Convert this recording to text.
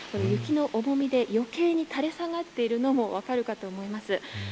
雪の重みで余計に垂れ下がっているのも分かるかと思います。